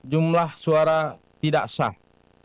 jumlah suara tidak sah